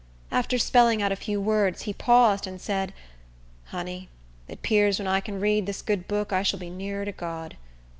After spelling out a few words, he paused, and said, "Honey, it 'pears when I can read dis good book I shall be nearer to God.